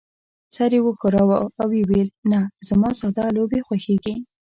سر يې وښوراوه او وې ویل: نه، زما ساده لوبې خوښېږي.